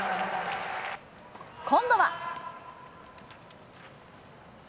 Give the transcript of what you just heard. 今度は。